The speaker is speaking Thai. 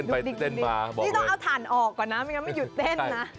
เนี่ยต้องเอาถั่นออกก่อนนะไม่อยุดเต้นน่ะ